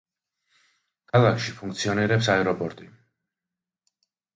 ქალაქში ფუნქციონირებს აეროპორტი.